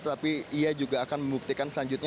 tetapi ia juga akan membuktikan selanjutnya